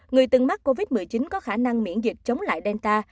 người từng mắc covid một mươi chín có khả năng miễn dịch chống lại delta